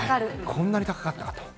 こんなに高かったかと。